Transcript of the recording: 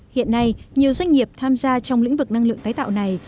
hiện nay nhiều doanh nghiệp tham gia trong lĩnh vực năng lượng tái tạo này